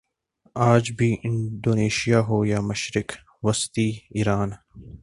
آج بھی انڈونیشیا ہو یا مشرق وسطی ایران